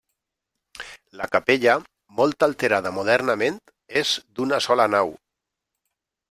La capella, molt alterada modernament, és d'una sola nau.